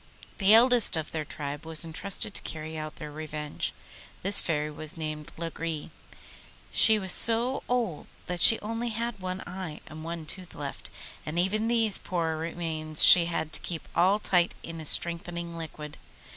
The eldest of their tribe was entrusted to carry out their revenge. This Fairy was named Lagree; she was so old that she only had one eye and one tooth left, and even these poor remains she had to keep all night in a strengthening liquid.